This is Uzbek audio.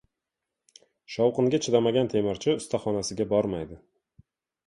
• Shovqinga chidamagan temirchi ustaxonasiga bormaydi.